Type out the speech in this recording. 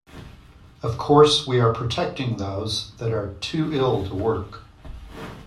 Of course we are protecting those that are 'too ill to work'.